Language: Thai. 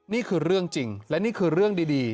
นี่คือเรื่องจริงและนี่คือเรื่องดี